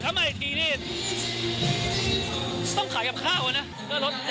ทำไมทีนี้ต้องขายกับข้าวอ่ะนะ